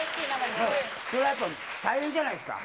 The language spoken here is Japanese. それはやっぱり大変じゃないですか。